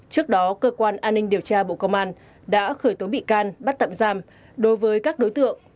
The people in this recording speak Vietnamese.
trước đó cơ quan an ninh điều tra bộ công an đã khởi tố bị can bắt tạm giam đối với các đối tượng